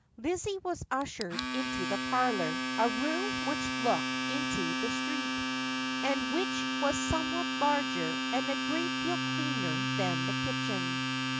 Lizzie was ushered into the parlour, a room which looked 330 Just as I Am. into the street, and which was somewhat larger and a great deal cleaner than the kitchen.